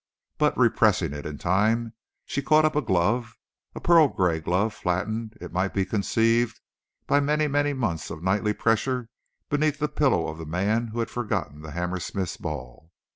But, repressing it in time, she caught up a glove, a pearl gray glove, flattened—it might be conceived—by many, many months of nightly pressure beneath the pillow of the man who had forgotten the Hammersmiths' ball.